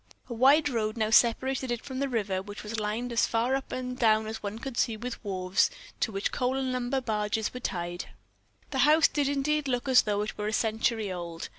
A wide road now separated it from the river, which was lined as far up and down as one could see with wharves, to which coal and lumber barges were tied. The house did indeed look as though it were a century old.